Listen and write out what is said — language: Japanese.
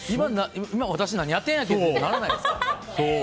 今、私何やってんやってならないですか？